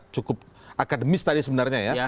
cukup akademis tadi sebenarnya ya